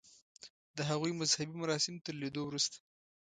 د هغوی مذهبي مراسم تر لیدو وروسته.